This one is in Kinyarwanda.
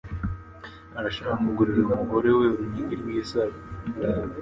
Arashaka kugurira umugore we urunigi rw'isaro